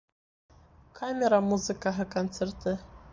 Камера музыкаһы концерты